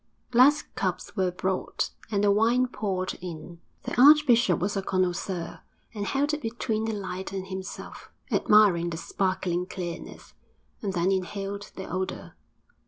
Glass cups were brought, and the wine poured in. The archbishop was a connoisseur, and held it between the light and himself, admiring the sparkling clearness, and then inhaled the odour.